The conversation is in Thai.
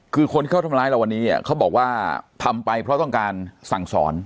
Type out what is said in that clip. คือคนที่เขาทำร้ายเราวันนี้เนี่ยเขาบอกว่าทำไปเพราะต้องการสั่งสอน